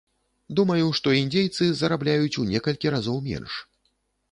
Думаю, што індзейцы зарабляюць у некалькі разоў менш.